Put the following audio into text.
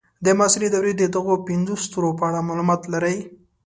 د معاصرې دورې د دغو پنځو ستورو په اړه معلومات لرئ.